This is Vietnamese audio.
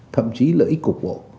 thậm chí lợi ích cục bộ